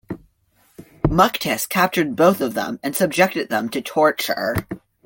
Muktis captured both of them and subjected them to torture.